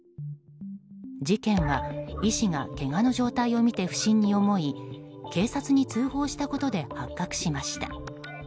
事件は、医師がけがの状態を見て不審に思い警察に通報したことで発覚しました。